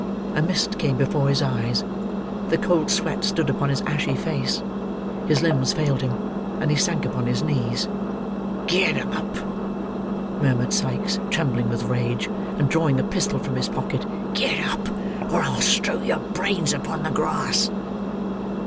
A mist came before his eyes; the cold sweat stood upon his ashy face; his limbs failed him; and he sank upon his knees. "Get up!" murmured Sikes, trembling with rage, and drawing the pistol from his pocket; "Get up, or I'll strew your brains upon the grass."